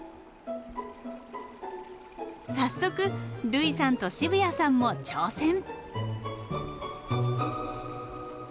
早速類さんと渋谷さんも挑戦。